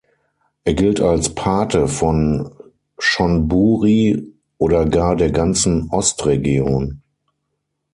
Er gilt als „Pate“ von Chon Buri oder gar der ganzen Ostregion.